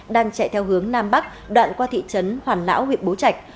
đang chạy theo hướng nam bắc đoạn qua thị trấn hoàn lão huyện bố trạch